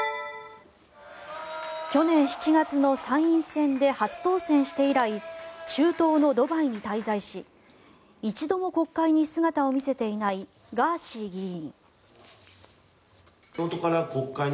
去年７月の参院選で初当選して以来中東のドバイに滞在し一度も国会に姿を見せていないガーシー議員。